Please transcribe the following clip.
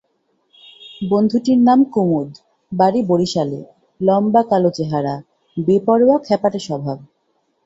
বন্ধুটির নাম কুমুদ, বাড়ি বরিশালে, লম্বা কালো চেহারা, বেপরোয়া খ্যাপাটে স্বভাব।